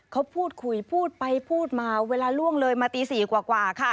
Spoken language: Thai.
เขาพูดคุยพูดไปพูดมาเวลาล่วงเลยมาตี๔กว่าค่ะ